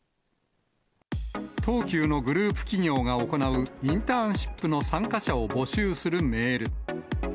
東急のグループ企業が行う、インターンシップの参加者を募集するメール。